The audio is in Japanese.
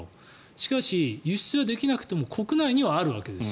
しかし輸出できなくても国内にはあるわけです。